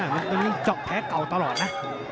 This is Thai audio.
มันยังจอกแพ้เก่าตลอดนะ